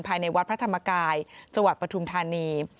ภายในวัดพระธรรมกายจปทุมธานี